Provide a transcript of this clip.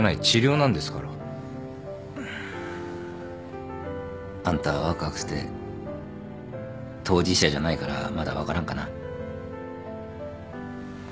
治療なんですから。あんたは若くて当事者じゃないからまだ分からんかな。